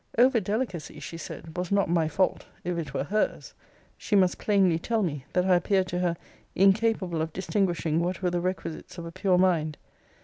Over delicacy, she said, was not my fault, if it were her's. She must plainly tell me, that I appeared to her incapable of distinguishing what were the requisites of a pure mind.